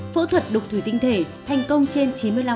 phẫu thuật đục thủy tinh thể thành công trên chín mươi năm